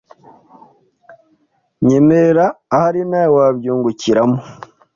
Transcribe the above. Nyemerera ahari nawe wabyungukiramo cyane